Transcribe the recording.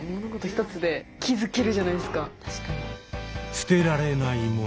捨てられない物。